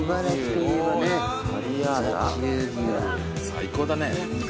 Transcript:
最高だね。